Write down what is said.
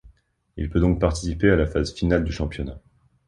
Il peut donc participer à la phase finale du championnat.